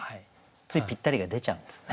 ついぴったりが出ちゃうんですね。